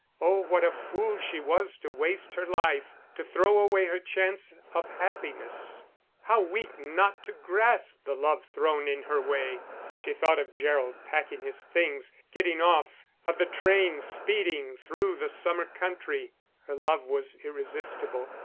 Oh, what a fool she was to waste her life, to throw away her chance of happiness how weak not to grasp the love thrown in her way! She thought of Gerald packing his things, getting off, of the train speeding through the summer country. Her love was irresistible.